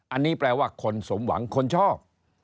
อันนี้แปลว่าคนสมหวังคนชอบ